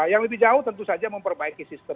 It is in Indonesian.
yang lebih jauh tentu saja memperbaiki sistem